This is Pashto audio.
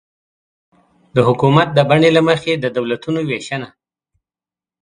د حکومت د بڼې له مخې د دولتونو وېشنه